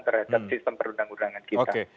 terhadap sistem perundang undangan kita